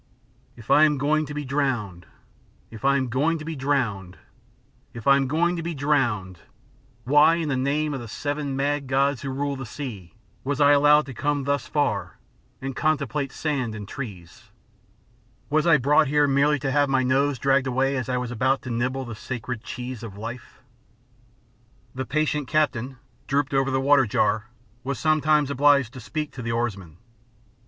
"If I am going to be drowned if I am going to be drowned if I am going to be drowned, why, in the name of the seven mad gods who rule the sea, was I allowed to come thus far and contemplate sand and trees? Was I brought here merely to have my nose dragged away as I was about to nibble the sacred cheese of life?" The patient captain, drooped over the water jar, was sometimes obliged to speak to the oarsman.